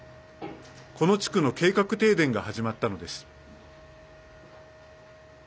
この地区の計画停電が始まったのです。